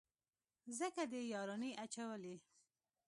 ځکه دې يارانې اچولي.